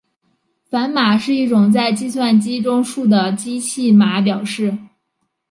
反码是一种在计算机中数的机器码表示。